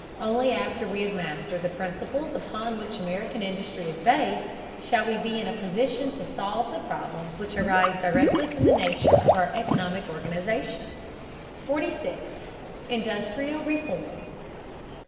Only after we have mastered the principles upon which American industry is based, shall we be in a position to solve the problems which arise directly from the nature of our economic organization. 46. INDUSTRIAL REFORM.